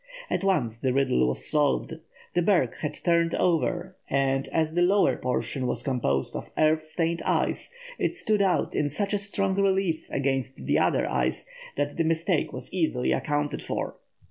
At once the riddle was solved. The berg had turned over, and, as the lower portion was composed of earth stained ice, it stood out in such strong relief against the other ice that the mistake was easily accounted for.